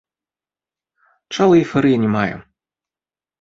Чалы эйфарыі не мае.